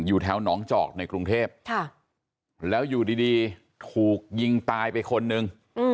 อยู่แถวหนองจอกในกรุงเทพแล้วอยู่ดีถูกยิงตายไปคนนึง